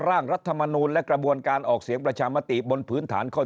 ร่างรัฐมนูลและกระบวนการออกเสียงประชามติบนพื้นฐานข้อ